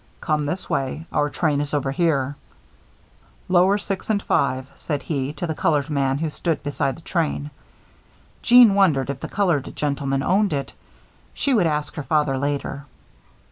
"Come this way. Our train is over here." "Lower five and six," said he, to the colored man who stood beside the train. Jeanne wondered if the colored gentleman owned it; she would ask her father later.